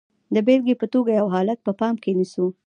د بېلګې په توګه یو حالت په پام کې نیسو.